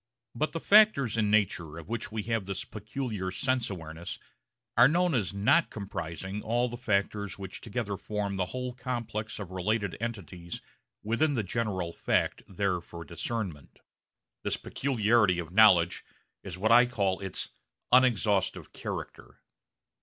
But the factors in nature of which we have this peculiar sense awareness are known as not comprising all the factors which together form the whole complex of related entities within the general fact there for discernment. This peculiarity of knowledge is what I call its unexhaustive character.